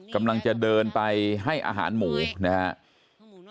กำลังจะเดินไปให้อาหารหมูนะครับ